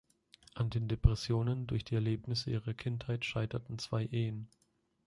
An den Depressionen durch die Erlebnisse ihrer Kindheit scheiterten zwei Ehen.